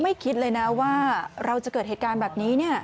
คิดเลยนะว่าเราจะเกิดเหตุการณ์แบบนี้เนี่ย